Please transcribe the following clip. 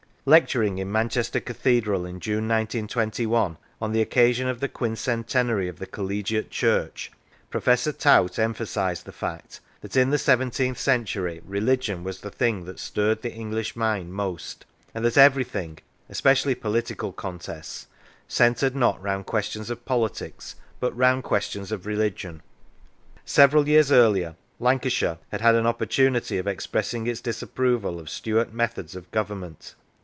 Lecturing in Manchester Cathedral in June, 1921, on the occasion of the Quincentenary of the Collegiate Church, Professor Tout emphasised the fact that " in the seventeenth century religion was the thing that stirred the English mind most, and that everything (especially political contests) centred not round questions of politics but round questions of religion." Several years earlier, Lancashire had had an op portunity of expressing its disapproval of Stuart methods of government.